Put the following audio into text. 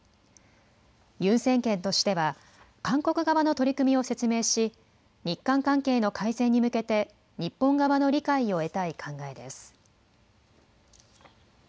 ユン政権としては韓国側の取り組みを説明し、日韓関係の改善に向けて日本側の理解を得たい考えです。